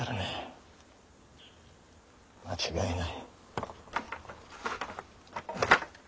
間違いない。